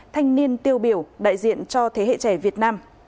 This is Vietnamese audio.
thanh niên tiêu biểu đại diện cho thế hệ trẻ việt nam